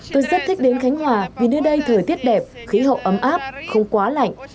tôi rất thích đến khánh hòa vì nơi đây thời tiết đẹp khí hậu ấm áp không quá lạnh